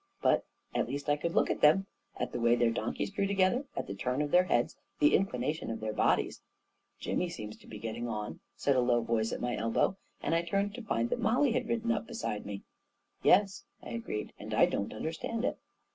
But at least I could look at them — at the way their donkeys drew together, at the turn of their heads, the inclination of their bodies. 44 Jimmy seems to be getting on 1 " said a low voice at my elbow, and I turned to find that Mollie had ridden up beside me. 11 Yes," I agreed; " and I don't understand it."